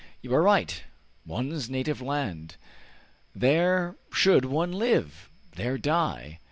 You are right. One's native land! there should one live! there die!